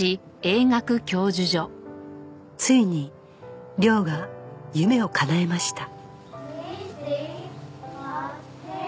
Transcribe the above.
ついに亮が夢を叶えました